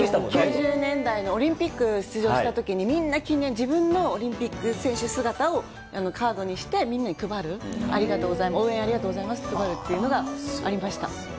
９０年代、オリンピック出場したときに、みんな記念、自分のオリンピック選手姿をカードにして、みんなに配る、ありがとうございました、応援ありがとうございますって配るっていうのがありました。